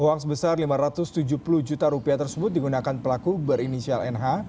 uang sebesar lima ratus tujuh puluh juta rupiah tersebut digunakan pelaku berinisial nh